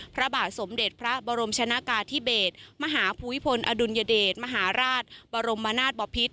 พระบาทสมเด็จพระบรมชนะกาธิเบศมหาภูมิพลอดุลยเดชมหาราชบรมนาศบพิษ